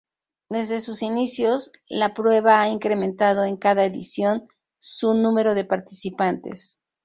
Desde sus inicios, la prueba ha incrementado en cada edición su número de participantes.